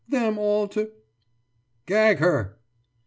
them all to....« »Gag her!